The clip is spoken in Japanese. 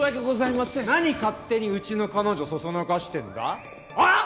なに勝手にウチの彼女そそのかしてんだ！ああ！？